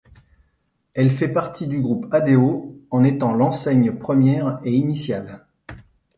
Elle fait partie du Groupe Adeo, en étant l'enseigne première et initiale.